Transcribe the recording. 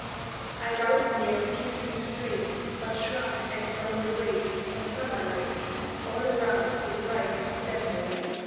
I roused me at the piercing strain, but shrunk as from the ray Of summer lightning: all around so bright the splendour lay.